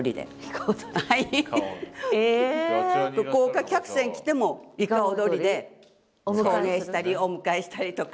豪華客船来てもいか踊りで送迎したりお迎えしたりとか。